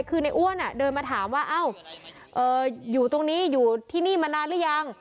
คือในอ้วนเดินมาถามว่าอยู่ตรงนี้อยู่ที่นี่มานานหรือยัง